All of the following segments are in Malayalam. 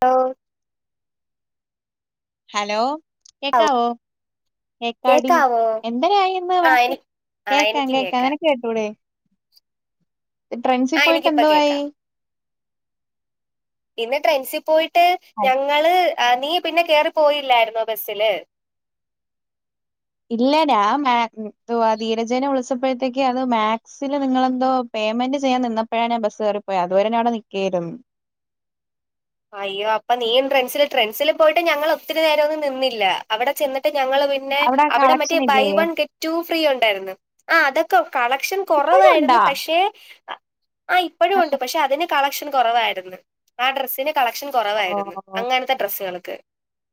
ലോ ഹലോ കേക്കാവോ? കേക്കാടി കേക്കാവോ എന്തതിനായിന് ആ വഴ എനി ആ കേക്കാം എനിക്കും കേക്കാം നിനക് കേട്ടൂടെ? ട്രൻസിൽ ആ പോയിട്ട് എനിക്കിപ്പ എന്തുആയി. കേക്കാം ഇന്ന് ട്രെയിൻസിൽ പോയിട്ട് ഹ, ഞങ്ങള് നീ പിന്നെ കേയറി പോയില്ലായിന്നോ ബസ്സില്. ഇല്ല ഞാ മാ ധീരജേന വിളിച്ചപ്പോഴത്തേക്ക് അത് മാത്സില്. നിങ്ങളെന്തോ പേ്മെന്റ് ചെയാൻ നിന്നപ്പോഴാണ് ഞാ ബസ് കറിപ്പോയി. അതുവരെ ഞന് അവിടെ നിക്കായിരുന്നു. അയ്യോ അപ്പ നീൻ ട്രസില് ട്രെൻസിൽ പോയിട്ട് ഞങ്ങൾ ഒത്തിരി നേരം ഒന്നും നിന്നില്ല. അവിടെ ചെന്നിട്ട് ഞങ്ങ പിന്നെ അവിടെ മറ്റേ കളക്ഷൻ ബൈ ഇല്ലേ വൺ കെ ടു ഫ്രീ ഉണ്ടായിരുന്നു. ആ അതൊക്കെ കളക്ഷൻ ഇപ്പോഴും കുറവായിരുന്നു. ഉണ്ടാ പക്ഷെ ആ ഇപ്പഴും ഉണ്ട് പക്ഷെ അതിന്റെ കളക്ഷൻ കുറവായിരുന്നു. ആ ഡ്രസ്സിന്റെ കളക്ഷൻ കുറവായിരുന്നു ഓ അങ്ങനത്തെ ഡ്രസ്സുകൾക്ക്.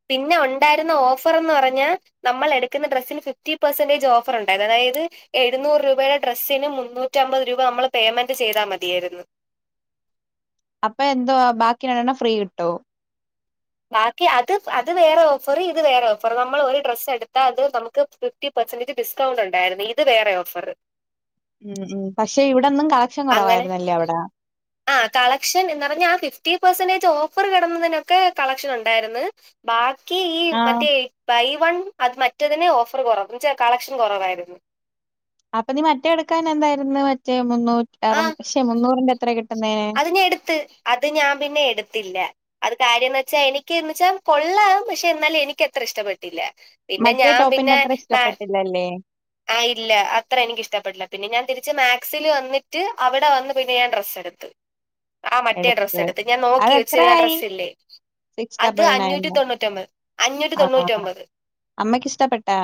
പിന്നെ ഉണ്ടായിരുന്ന ഓഫർന്ന് പറഞ്ഞ നമ്മൾ എടുക്കുന്ന ഡ്രസ്സിൽ ഫിഫ്റ്റി പെർസന്റേജ് ഓഫർ ഉണ്ടായത അതായത്. എഴുന്നൂറ് രൂപയുടെ ഡ്രസ്സിന് മുന്നൂറ്റി അമ്പത് രൂപ നമ്മൾ പേയ്മെന്റ് ചെയ്താൽ മതിയായിരുന്നു. അപ്പൊ എന്തോവാ ബാക്കി രണ്ടെണ്ണം. ഫ്രീ കിട്ടോ? ബാക്കി അത് അത് വേറെ ഓഫറ്. ഇത് വേറെ ഓഫർ നമ്മൾ ഒരു ഡ്രസ്സ് എടുത്താൽ അത് നമുക്ക് ഫിഫ്റ്റിൻപെഴ്സെന്റെജ് ഡിസ്കൗണ്ട് ഉണ്ടായിരുന്നു. ഇത് വേറെ ഓഫറ്. ഉം ഉം പക്ഷെ ഇവിടെൊന്നും കളക്ഷൻ അങ്ങനെ കുറവായിരുന്നല്ലേ അവിടെ. ആ കളക്ഷൻ എന്ന് പറഞ്ഞ ആ ഫിഫ്റ്റി പെർസെന്റേജ് ഓഫർ കിടുന്നതിനൊക്കെ കളക്ഷൻ ഉണ്ടായിരുന്നു. ബാക്കിഇ ആ മറ്റേ ബൈ വൺ അത് മറ്റേതിനെ ഓഫർ കുറച്ച് കളക്ഷൻ കുറവായിരുന്നു. അപ്പൊ നീ മറ്റേടുക്കാൻ എന്തായിരുന്നു. മറ്റേ മുന്നൂറ്റ അറക്ഷെ മുന്നൂറിന്റെ എത്ര കിട്ടുന്നേ. നി എടുത്ത്. അത് ഞാൻ പിന്നെ എടുത്തില്ല. അത് കാര്യംന്ന് വെച്ചാൽ എനിക്ക്ന്ന് വെച്ചാൽ കൊള്ളാം പക്ഷെ എന്നാലും എനിക്ക് അത്ര ഇഷ്ടപ്പെട്ടില്ല. പിന്നെ മറ്റേ ഞാൻ ടോപ്പിന്റെ പിന്നെ അത്ര മാ ഇഷ്ടപ്പെട്ടില്ലല്ലേ ആ ഇല്ല അത്ര എനിക്ക് ഇഷ്ടപ്പെടില്ല. പിന്നെ ഞാൻ തിരിച്ച് മാത്സിൽ വന്നിട്ട്. റ്റ് അവിടെ വന്ന് പിന്നെ ഞാൻ ഡ്രസ്സ് എടുത്ത്. ആ മറ്റെ ഡ്രസ്സ് എടുത്ത്. ഞാൻ നോക്കി വെച്ചിന്ന അതെത്രയായി ഡ്രസ്സ്‌ ഇല്ലേ. സിക്സ് അത് ഡബിൾ നയൻ അഞ്ഞൂറ്റി തൊണ്ണൂറ്റിഒമ്പത്. അഞ്ഞൂറ്റി ആ തൊണ്ണൂറ്റിഒമ്പത്. അമ്മയ്ക്ക് ഇഷ്ടപ്പെട്ടാ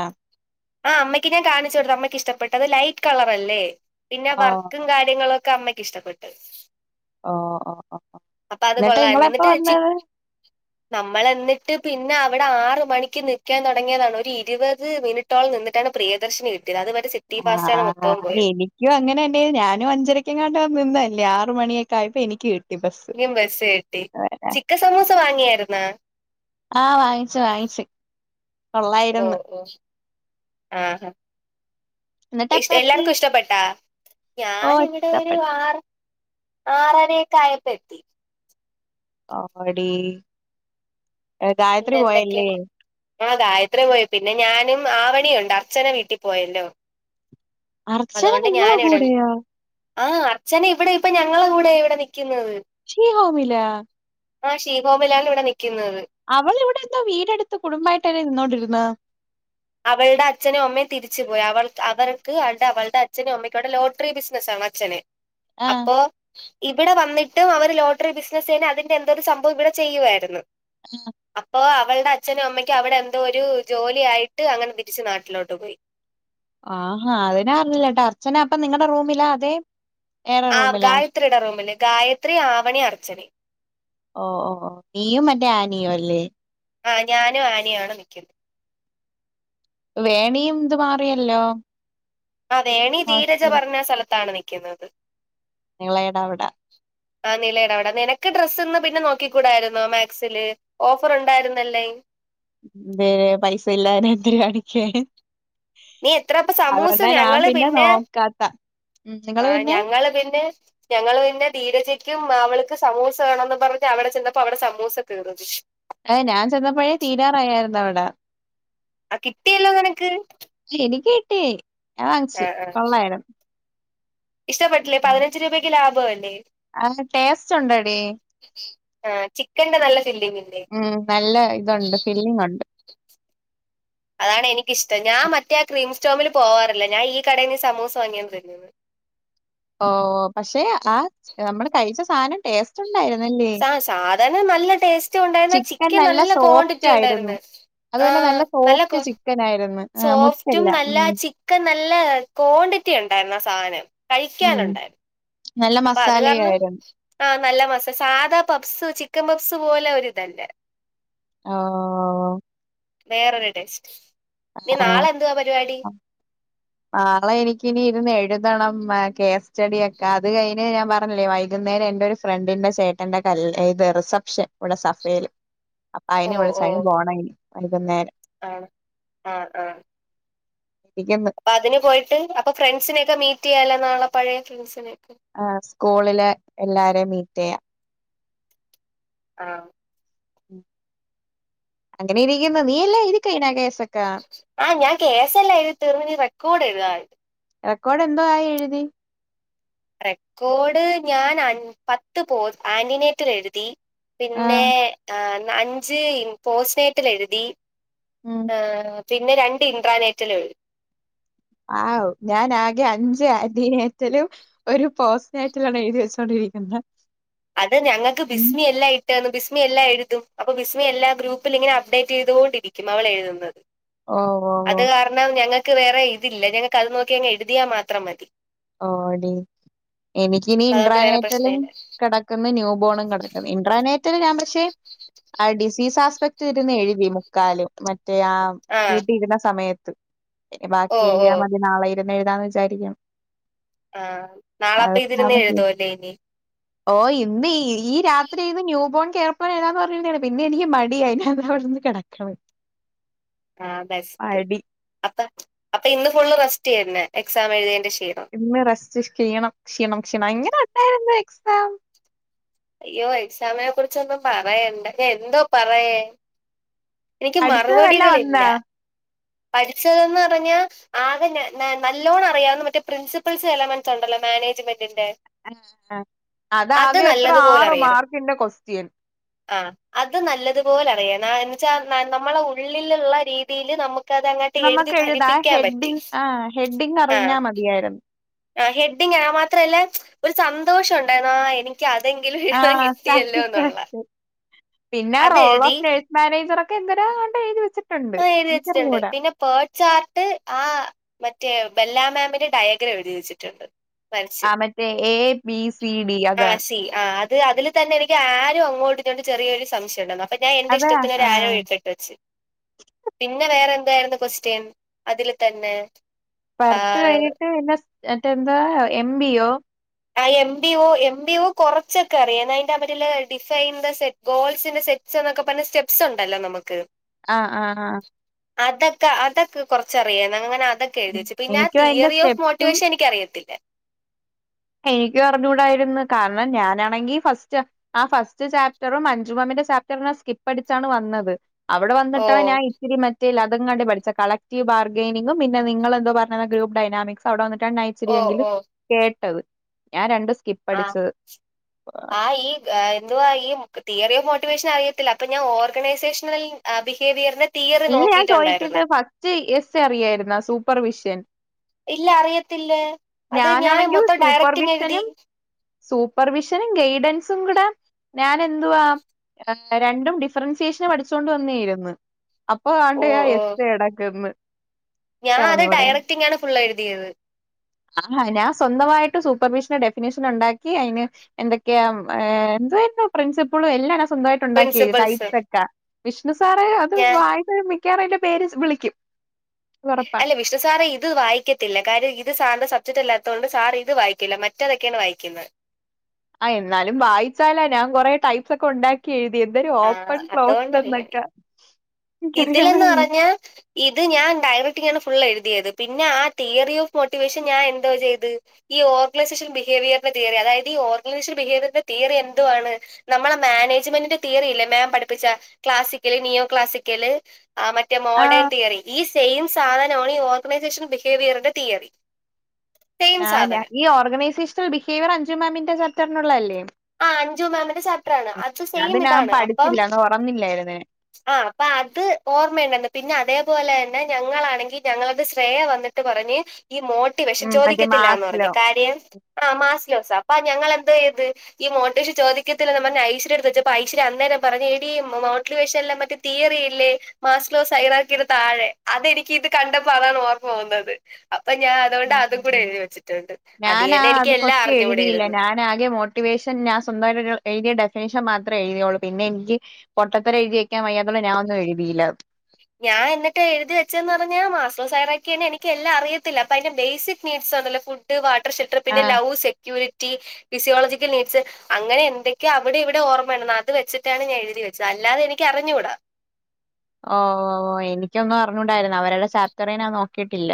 ആ അമ്മക്ക് ഞാൻ കാണിച്ചു കൊടുത്തു. അമ്മയ്ക്ക് ഇഷ്ടപ്പെട്ട്. അത് ലൈറ്റ് കളർ അല്ലേ പിന്നെ ഓ വർ കാര്യങ്ങളൊക്കെ അമ്മയ്ക്ക് ഇഷ്ടപ്പെട്ട്. ഓ ഓ ഓ എന്നിട്ട് നിങ്ങള് എപ്പോ വന്നത്. [inaudible] നമ്മൾ എന്നിട്ട് പിന്നെ അവിടെ ആറ് മണിക്ക് നക്കാൻ തുടങ്ങിയതാണ്. ഒരു ഇരുപത് മിനിറ്റ്. നിന്നിട്ടാണ് പ്രിയദർശിനി കിട്ടിയത്. അത് വരെ ആഹ് ആഹ് ആഹ് [unintelligible] അങ്ങനെന്നെ ഞാനും അഞ്ചരക്കങ്ങാണ്ട് നിന്നല്ലേ. ആറ് മണിയൊക്ക ആയപ്പോ എനിക്ക് കി നീം ബസ്സ് കിട്ടി ചിക്കൻ സമൂസ വാങ്ങിയായിരുന്നാ. ആവായി ചായിച്ച് ഓ തൊള്ളായിരംന്ന് ഓ ആഹാ ഇഷ് എല്ലാർക്കും ഇഷ്ടപ്പെട്ടാ ഓ ഞാൻ ഇവിടെ ഒരു ഇഷ്ടപ്പെട്ടു ആറ്. ആറാരക്കെ ആയപ്പോ എത്തി ഓ ടീ പിന്നെ ന്തൊക്കെയുണ്ട്. ആഹ് ഗായത്രി പോയി. പിന്നെ ഞാനും ആവണിയുണ്ട്. അർച്ചന വീട്ടിൽ പോയല്ലോ. അർച്ചന നിങ്ങളെ കൂടെയാ? ആഹ് അർച്ചന ഇവിടെ ഇപ്പൊ ഞങ്ങള കൂടെ ഇവിടെ നിൽക്കുന്നത്. [unintelligible] ആഹ് ഷീഗോബലാണ് ഇവിടെ നിക്കുന്നത് അവള ഇവിടെ എന്തോ വീടെടുത്ത് കുടുംബമായിട്ടന്ന നിന്നോണ്ടിരുന്നെ അവളുടെ അച്ഛനും അമ്മയും തിരിച്ചുപോയി അവൾ അവർക്ക് അണ്ട് അവളുടെ അച്ഛനും അമ്മയ്ക്കുമവിടെ ലോട്ടറി ബിസിനസ്സാണ് അച്ഛന് [inaudible] ആ ഓ ഇവിടെ വന്നിട്ടും അവര് ലോട്ടറി ബിസിനസ്തന്നെ അതിന്റെ എന്തോരു സംഭവം ഇവിടെ ചെയ്യുവാരുന്നു. അപ്പൊ അവളുടെ അച്ഛനും അമ്മയ്ക്കും അവിടെ എന്തോ ഒരു ജോലിയായി ട്ട് അങ്ങനെ തിരിച്ചു നാട്ടിലോട്ടുപോയി ആഹാ അതിനെ അറിഞ്ഞല്ലട്ടോ അച്ചനാപ്പൊ നിങ്ങളുടെ റൂമിലാ അതെ വേറെ ആ റൂമിലാ ഗായത്രിയുടെ റൂമില് ഗായത്രി, ആവണി, അർച്ചനേം ഓഹ് ഓഹ് നീയും മറ്റേ ആനിയും അല്ലേ ആഹ് ഞാനും ആനിയാണ് നിക്കുന്നത്. വേണിയും ഇതു മാറിയല്ലോ. അദേണി ധീരജ ഹോസ്റ്റൽ പറഞ്ഞ സ്ഥലത്താണ് നിക്കുന്നത്. നിളയുടെ അവിടെ ആഹ് നിലയിയുടെ അവിടെ നിനക്ക് ഡ്രസ്ന്ന് പിന്നെ നോക്കി കൂടായിരുന്നോ മാക്സില് ഓഫറുണ്ടായിരുന്നല്ലേ എന്തേ പൈസയില്ല നെറ്റില്ല എനിക്ക് നീ എത്രപ്പ സമൂസ ഞങ്ങള് പിന്നെ ഉം നിങ്ങള് ആ പിന്നെ ഞങ്ങള് പിന്നെ ഞങ്ങള് പിന്നെ ധീരജയ്ക്കും അവൾക്ക് സമൂസ വേണോന്ന് പറഞ്ഞ് അവിടെ ചെന്നപ്പോ അവിടെ സമൂസ തീർന്നു. അ ഞാൻ ചെന്നപ്പഴേ തീരാറായായിരുന്നു അവിടെ ആഹ് കിട്ടിയല്ലോ നിനക്ക്. എനിക്ക് കിട്ടി ഞാൻ വാങ്ങിച്ചു. ആഹ് ആഹ് കൊള്ളായിരുന്നു. ഇഷ്ടപ്പെട്ടില്ലേ പതിനഞ്ചുരൂപക്കു ലാഭവല്ലേ. ആ ടേസ്റ്റ് ഉണ്ടെടി ആ ചിക്കന്റെ നല്ല ഫില്ലിങ്ങ് ഉം നല്ല ഇതൊണ്ട് ഫീല്ലിങ്ങൊണ്ട്. അതാണ് എനിക്കിഷ്ടം ഞാൻ മറ്റേ ക്രീം സ്റ്റോമിൽ പോവാറില്ല ഞാൻ ഈ കടയീന്ന് സമൂസ വാങ്ങിയാണ് തിന്നത്. ഓ പക്ഷെ ആ നമ്മള് കഴിച്ച സാധനം ടേസ്റ്റ് ഉണ്ടായിരുന്നല്ലേ? സ സാധനം നല്ല ടേസ്റ്റ് ഉണ്ടായിരുന്നു ചിക്കൻ നല്ല ക്വാണ്ടിറ്റി ഉണ്ടായിരുന്നു ആ അതുപോലെ നല്ല സോഫ്റ്റ് നല്ലക്കോ ചിക്കൻ ആയിരുന്നു. ആഹ് സോഫ്റ്റും മുറ്റല്ല. നല്ല ഉം. ചി ഒക്കെ നല്ല കോണ്ടിറ്റി ഉണ്ടായിരുന്നു ആ സാധനം ഉം. കഴിക്കാനുണ്ടായിരുന്നു. നല്ല അപ്പൊ അതുകാരണം മസാലയായിരുന്നു. ആ നല്ല മാസ് സാധാപഫ്സ് ചിക്കൻ പഫ്സ് പോലെ ഒരിതല്ല ആം വേറൊരു ടെസ്റ്റ് ആഹ് [inaudible] നാളെ എനിക്കിനിയിരുന്ന് എഴുതണം കേസ് സ്റ്റഡിയൊക്കെ അതുകഴിഞ്ഞു ഞാൻ പറഞ്ഞില്ലേ വൈകുന്നേരം എന്റൊരു ഫ്രണ്ടിന്റെ ചേട്ടന്റെ കല് ഇത് റിസപ്ഷൻ ഇവിടെ സഫേല്. അപ്പൊ ഓ അയിന് വിളിച്ച അയിന് പോണം ഇനി വൈകുന്നേരം ആഹ് ആഹ് ആഹ് നിക്കെന്ന് അതിനുപോയിട്ട് അപ്പൊ ഫ്രണ്ട്സിനെയൊക്കെ മീറ്റ് ചെയ്യാലോ നാളെ പഴേ ഫ്രണ്ട്സിനെയൊക്കെ ആ സ്കൂളിലേ എല്ലാരേയും മീറ്റ് ചെയ്യാം. ആം അങ്ങനെ ഇരിക്കുന്നു നീയെല്ലം എഴുതികഴിഞ്ഞ കേസ് ആ ഞാൻ കേസല്ലാം എഴുതി തീർന്ന് ഇനി റെക്കോർഡ് എഴുതാൻ റെക്കോഡ് എന്തോ ആ എഴുതി റെക്കോഡ് ഞാൻ അ പത്ത് പോസ് ആന്റിനേറ്റർ എഴുതി ആ പിന്നെ അഞ്ച് പോസ്നേറ്റൽ എഴുതി ഉം ആ പിന്നെ രണ്ട് ഇൻട്രാനെറ്റിൽ എഴുതി ആ ഞാനാകെ അഞ്ച് ആന്റിനേറ്റലും ഒരു പോസ്നേറ്റലും ആണ് എഴുതി വെച്ചോണ്ടിരിക്കുന്നെ അത് ഞങ്ങക്ക് ബിസ്മി എല്ലാം ഇ ബിസ്മി എല്ലം എഴുതും. അപ്പൊ ബിസ്മി എല്ലാ ഗ്രൂപ്പിൽ ങ്ങനെ അപ്ഡേറ്റ് ചെയ്തോണ്ടിരിക്കും അവൾ എഴുതുന്നത്. ഓ ഓ ഓ അത് ഞങ്ങൾക്ക് വേറെ ഇതില്ല ഞങ്ങൾക്ക് അത് നോക്കിങ്ങ് എഴുതിയാ മാത്രം മതി ഓടി എനിക്കിനി അതുകൊണ്ട് വേറെ ഇട്രാനേറ്റല് പ്രശ്നമില്ല കിടക്കുന്നു ന്യൂബോണകൾ ഇറർനെറ്റ് ഞാൻ പക്ഷെ, ആ ഡിസീസ് ആസ്പെക്ട് ഇരുന്ന് എഴുതി മുക്കാലും മറ്റേ ആഹ് വീട്ടിരിന്ന സമയത്ത് ഓ ബാക്കി ഓ എഴുതിയാ മതി നാളെ ഇരുന്ന് എഴുതാന്ന് വിചാരിക്കണ്. ആഹ് നാളെ അപ്പ ഇതിരുന്ന് എഴുതുവല്ലേ ഇനി [unintelligible] ഓഹ് ഇന്ന് ഈ രാത്രി ഇരുന്ന് ന്യൂബോൺ കേട്ട് വരാൻ പറഞ്ഞാണ് പിന്നെ എനിക്ക് മടിയായി ഞാ ഇതേ അവിടുന്ന് കിട [unintelligible] ആ ബെസ്റ്റ് അപ്പഅപ്പൊ ഇന്ന് ഫുള് റെസ്റ്റ് യെന്നെ എക്സാം എഴുതിയന്റെ ക്ഷീണം ഇന്ന് റെസ്റ്റ് സ്ക്കീണം ക്ഷീണം ക്ഷീണം ഇങ്ങനെ ഉണ്ടായിരുന്നു എക്സാം. അയ്യോ! എക്സാമിനെ കുറിച്ചൊന്നും പറയണ്ട ഞാൻ എന്തോ പറയേ എനിക്ക് അടുത്തത് വല്ല മറുപടികളില്ല വന്നാ പഠിച്ചതെന്ന് പറഞ്ഞാ ആതന്നെ നല്ലോണം അറിയാവുന്ന മറ്റേ പ്രിൻസിപ്പൽസ് എലമെൻസ് ഉണ്ടല്ലോ മാനേജ്മെന്റിന്റെ. അഹ അഹ അത് അതാകെ എത്ര നല്ലതുപോലെ ആറ് അറിയണം മാർക്കിന്റെ കൊസ്റ്റ്യൻ ആ അത് നല്ലതുപോലെ അറിയ നാഎൻ മിച്ചാ നമ്മളെ ഉള്ളില്ള്ള രീതില് നമ്മ് നമ്മക്ക് എഴുതാ ഹെഡ്ഡിങ് ആ ഹെഡ്ഡിങ്ങ് ആ അറിഞ്ഞാ മതിയായിരുന്നു ആ ഹെഡിങ്, ആ മാത്രല്ല ഒരു സന്തോഷം ഉണ്ടായിരുന്നു ആ എനിക്ക് ഇൻക്യഅതെങ്കിലും എഴുതാൻ ആഹ് കിട്ടിയല്ലോ എന്നുള്ള, സാറ്റിസ്ഫാക്ഷൻ അതെഴുതി മാനേജറൊക്കെ എന്തരാ കണ്ട എഴുതി വച്ചിട്ടുണ്ട് എഴിതിവെച്ചിട്ട്ണ്ട് പിന്നെപ് പേൾചാർട്ട് ആ മറ്റേ ബെല്ലാ മാമിന്റെ ഡയഗ്രാം എഴുതിവെച്ചിട്ട്ണ്ട് ആ മറ്റേ എ, ബി, സി, ഡി, അതാ ത്തി ആഹ് അത് അതിൽന്ന എനിക്ക് ആരും അങ്ങോട്ട് അതില് തന്നെ ഇങ്ങനെ ആരോ അങ്ങോട്ട് ഇങ്ങോട്ടും ചെറിയരു സംശയം ഉണ്ടെർന്നു അപ്പോ ഞാൻ എന്റെ അതാ ഇഷ്ട്ടത്തിന് ഒരു ആരോ ആഹ് ഇട്ടിട്ട് വെച്ച്. പിന്നെ വേറെ എന്തായിരുന്നു കൊസ്റ്റൻ അതില് തന്നെ? പർട്ട് കഴിഞ്ഞിട്ട് പിന്നെ മറ്റ എന്താ എം. ബി. ഒ ആ M. B. O. M. B. O കുറച്ചൊക്കെ അറിയാം. അയിന്റെ അവരിലെ ഡിസൈന്റെ സെറ്റ് ഗോൾസിന്റെ സെറ്റ്സ് എന്നൊക്കെ പറഞ്ഞ സ്റ്റെപ്സ് ഉണ്ടല്ലോ നമുക്ക് ആഹ് ആഹ് ആഹ് അതൊക്ക അതൊക്ക കുറച്ചറിയണം. അങ്ങന അതൊ ഒക്കെഎഴുതി ഉം വെച്ച് പിന്നെ എനിക്കും അതിന്റെ തിയറിഓഫ് സ്റ്റെപ്സും മോട്ടിവേഷൻ എനിക്കറിയത്തില്ല എനിക്ക് അറിഞ്ഞൂടായിരുന്ന് കാരണം ഞാനാണെങ്കി ഫസ്റ്റാ ആ ഫസ്റ്റ് ചാപ്റ്ററും മഞ്ജു മാമിന്റെ ചാപ്റ്ററിനെ സ്കിപ്പ് അടിച്ചാണ് വന്നത്. അവിടെ ഓ വന്നിട്ടാണ് ഞാൻ ഇത്തിരി മ [unintelligible] അതും കണ്ട് പഠിച്ച കളക്റ്റീവ് ബാർഗെനിങ്ങും പിന്നെ നിങ്ങളെന്തോ പറഞ്ഞന്ന ഗ്രൂപ്പ് ഡൈനാമിക്സ് ഔടെ വന്നിട്ടാണ് നൈറ്റ് ഓ ഇച്ചിരിഎങ്കിലും ഓ കേട്ടത്, ഞാൻ രണ്ട് സ്കിപ്പ് ആഹ് അടിച്ചത്. ആഹ് ഈ എന്തുവാ ഈ തിയറി ഓഫ് മോട്ടിവേഷൻ അറിയത്തില്ല. അപ്പൊ ഞാൻ ഓർഗനൈസേഷണൽ ബിഹേവിയർന് ഇല്ല ഞാൻ ചോദിക്കിട്ട്. ഫസ്റ്റ് എസ് അറിയായിരുന്നാ സൂപ്പർ വിഷ്യൻ ഇല്ല അറിയത്തില്ല. അത് ഞാൻ ഞാനാണെങ്കിൽ മൊത്തം ഡയറക്റ്റങ് എഴുതി സൂപ്പർവിഷനും സൂപ്പർവിഷനും ഗൈഡൻസും കൂടെ ഞാൻ എന്തുവാ രണ്ടും ഡിഫറൻസിയേഷന് പഠിച്ചോണ്ട് വന്നേരുന്നു അപ്പൊ ഓ ആണ്ടയ ഓ എത്ത് എടക്കന്ന് ഞാൻ അത് ഡയറക്റ്റിങ്ങാണ് ഫുൾ എഴുതിയത് ആ ഞാൻ സ്വന്തമായിട്ട് സൂപ്പർവിഷന്റെ ഡെഫിനേഷൻ ഉണ്ടാക്കി അയിന് എന്തൊക്കെയാ എന്തായിരുന്നു പ്രിൻസിപ്പിളും എല്ലാ സ്വന്തമായിട്ട് ണ്ടാക്കിയെ പ്രിൻസിപ്പൾസ് ക്കൈപക്കാ വിഷ്ണു സാറെ അത് ഞാൻ വായ മിക്കാറതിന്റെ പേര് വിളിക്കും ഒറപ്പാണ് അല്ല വിഷ്ണു സാറേ ഇത് വായിക്ക ഇല്ല കാര്യം ഇത് സാറിന്റെ സബ്ജക്ട് അല്ലാത്തത് കൊണ്ട് സാർ ഇത് വായിക്കില്ല. മറ്റേതൊക്കെയാണ് വായിക്കുന്നത് ആഹ് എന്നാലും വായിച്ചാല ഞാൻ കൊറെ ടൈപ്സ് ഒക്കെ ഉണ്ടാക്കി എഴുതി എന്തരും ആ ഓപ്പൺ ക്ലോസ് അതുകൊണ്ടറിയാം എന്നൊക്കെ എനിക്കറിയൻ ഇതിലെന്ന് വയ്യ പറഞ്ഞാ ഇത് ഞാൻ ഡയറക്റ്റാണ് ഫുൾ എഴുതിയത് പിന്നെ ആ തിയറി ഓഫ് മോട്ടിവേഷൻ ഞാൻ എന്തോ ചെയ്ത് ഈ ഓർഗനൈസേഷൻ ബിഹേവിയറിന്റെ തിയറി അതായത് ഓഗനൈസേഷൻ ബിഹേവിയറിന്റെ തിയറി എന്തുവാണ് നമ്മളെ മാനേജ്മെന്റിന്റെ തിയറി ഇല്ലേ മാം പഠിപ്പിച്ച ക്ലാസ്സിക്കല് ന്യോ ക്ലാസിക്കല് മറ്റേ മോഡേൺ ആഹ് തിയറി ഈ സെയിം സാധനമാണ് ഈ ഓർഗനൈസേഷൻ ബിഹേവിയറിന്റെ തിയറി സെയിം ഞാഞാ സാധനം ഈ ഓർഗൈസേഷണൽ ബിഹേവിയർ അഞ്ചു മാമിന്റെ ചാപ്റ്റർനുള്ള അല്ലേ ആ അഞ്ചു മാമിന്റെ ചാപ്റ്റർ ആണ് അത് സെയിം ഞാൻ ഇതാണ് അപ്പം പഠിച്ചില്ല അന്ന് ഉറന്നില്ലായിരുന്നു ഞാൻ. ആഹ് അപ്പൊ അത് ഓർമ്മയണ്ടന്ന് പിന്നെ അതേപോലെ തന്നെ ഞങ്ങളാണെങ്കിൽ ഞങ്ങളുടെ ശ്രേയ വന്നിട്ട് പറഞ്ഞ് ഈ മോ ട്ടിവശൻ ഉം മറ്റേ ചോദിക്കത്തില്ലന്ന് പറഞ്ഞു മാർക്സിലോ കാര്യം ആഹ് മാസിയോസ അപ്പ ഞങ്ങൾ എന്ത്‌ ചെയ്ത് ഈ മോട്ടിവേഷൻ ചോതികത്തില്ലന്ന് പറഞ് ഐശ്വര്യ എടുത്തു വെച്ചപ്പ ഐശ്വര്യ അന്നരം പറഞ് എഡീ മോട്ടിവേഷൻ എല്ലാംമറ്റ് തീയറിയില്ലേ മാസിലോ സൈറാക്കിയരു താഴെ അതെനിക്കി ഇത് കണ്ടപ്പോ അതാണ് ഓർമ്മ പോന്നത് അപ്പൊ ഞാൻ അതോണ്ട് അതും കൂടെ എഴുതി വെച്ചിട്ടുണ്ട് ഞാനാ അതിയന്നെ എനിക്ക് അത് എല്ലാം കൊസ്റ്റ്യൻ എഴുതിയില്ല അറിഞ്ഞുടെയിരുന്നു ഞാൻ ആകെ മോട്ടിവേഷൻ ഞാൻ സ്വന്തമായിട്ട് എഴുതിയ ഡെഫിനേഷൻ മാത്രേ എഴുതിയുള്ളൂ പിന്നെ എനിക്ക് പൊട്ടത്തരം എഴിതിവെക്കാൻവയ്യാത്തോണ്ട് ഞാനൊന്നും എഴുതിയില്ല ഞാൻ എന്നിട്ട് എഴുതി വെച്ചെന്ന് പറഞ്ഞാ മാസ്റ്റേർസ് സയറാക്കിയാന് എനിക്ക് എല്ലാം അറിയത്തില്ല അപ്പ അതിന്റെ ബേസിക് നീഡ്സ് ആണല്ലോ ഫുഡ് വാട്ടർ ഷെൽട്ടർ പിന്നെ ആഹ് ലവ് സെക്യൂരിറ്റി ഫിസിയോളജിക്കൽ നീഡ്സ് അങ്ങനെ എന്തൊക്കെയ അവിടെ ഇവിടെ ഓർമ്മണ്ട് അത് വെച്ചിട്ടാണ് ഞാൻ എഴുതി വച്ചത് അല്ലാതെ എനിക്ക് അറിഞ്ഞുടാ ഓവാ ഓവാ എനിക്കൊന്ന് അറിഞ്ഞൂടായിരുന്നു അവരുടെ ചാപ്റ്ററിന നാൻ നോക്കിയിട്ടില്ല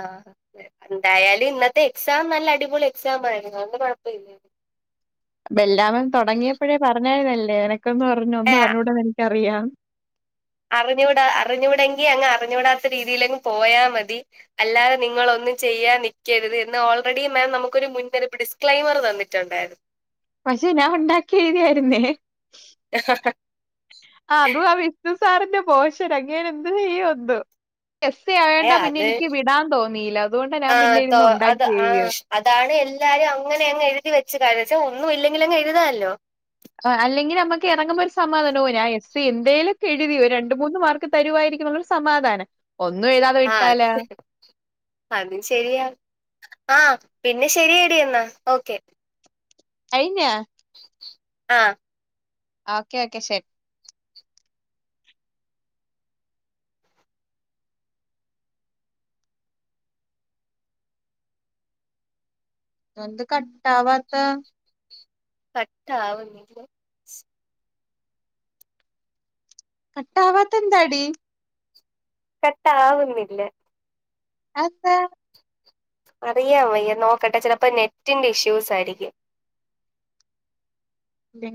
ആഹ് ഡയാലി എന്തായാലും ഇന്നത്തെ എക്സാം നല്ല അടിപൊളി എക്സാം ആയിരുന്നു അണ്ട് കുഴപ്പല്ല ബെല്ലാമൻ തുടങ്ങിയപ്പോഴേ പറഞ്ഞാര്ന്നതല്ലേ നിനക്കൊന്നും അറിഞ്ഞൂടാ ഏഹ് ഒന്നുംഅറിഞ്ഞൂടാന്ന് എനിക്ക് അറിയാം അറിഞ്ഞു അറിഞ്ഞുടങ്കി അങ്ങ് അറിഞ്ഞുടാത്ത രീതിയിലങ് പോയാ മതി അല്ലാതെ നിങ്ങള് ഒന്നും ചെയ്യാൻ നക്കരുത് എന്ന് ഓൾറെഡി മാം നമുക്കൊരു മുന്നറിപ്പ് ഡിസ്ക്ലൈമർ തന്നിട്ടുണ്ടായിരുന്നു [inaudible] പക്ഷെ ഞാൻ ഉണ്ടാക്കി എഴുതിയായിരുന്നേ എ സ [unintelligible] ആ അതും ആ വിഷ്ണു സാറിന്റെ പോഷൻ അങ്ങേര് എന്ത് ചെയ്യ എന്തോ എസ്സെയ് ആയോണ്ട് ഏഹ് പിന്നെ അത് എനിക്ക് വിടാൻ തോന്നിയില്ല അതുകൊണ്ട് ഞാൻ ആ പിന്നെ തോ ഇരുന്ന് അത് ഒണ്ടാക്കി ആ എഴുതിയത് അതാണ് എല്ലാരും അങ്ങനെ അങ്ങ് എഴുതി വെച്ചത് പക്ഷേ ഒന്നും ഇല്ലെങ്കിൽ അങ് എഴുതാമല്ലോ ആഹ് അല്ലങ്കി നമക്ക് ഇറങ്ങുമ്പോ ഒരു സമാതാനം എസ് എന്തേലോക്ക എഴുതി രണ്ട് മൂന്ന് മാർക്ക് തരുവായിരിക്കുന്നുള്ളൊരു സമാധാന ഒന്നും എഴു ആഹ് അത് അത് ശരിയാ ആഹ് പിന്ന ശരിയടി എന്നാ ഓക്കെ കയിഞ്ഞാ ആഹ് ഓക്കെ ഓക്കെ ശെരി എന്ത് കട്ടാവാത്ത കട്ടു ആവുന്നില്ല കട്ട ആവാത്ത എന്താടി കട്ടാവുന്നില്ല അതെന്താ അറിയാം വയ്യ നോക്കട്ടെ ചിലപ്പോ നെറ്റിന്റെ ഇഷ്യൂസ് ആയിരിക്കും ഇല്ലെങ്ക